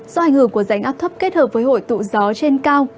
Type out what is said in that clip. do hành hưởng của rảnh áp thấp kết hợp với hội tụ gió trên cao